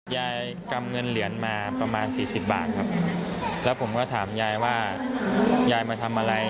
กำเงินเหรียญมาประมาณสี่สิบบาทครับแล้วผมก็ถามยายว่ายายมาทำอะไร